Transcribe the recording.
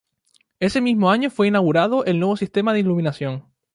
Ese mismo año fue inaugurado el nuevo sistema de iluminación.